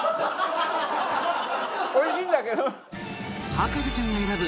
博士ちゃんが選ぶ